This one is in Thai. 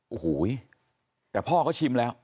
โอ้โหแต่พ่อเขาชิมแล้ว